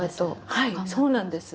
はいそうなんです。